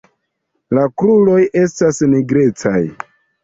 La kruroj estas nigrecaj.